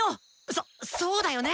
そそうだよね！